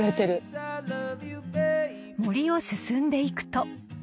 ［森を進んでいくと］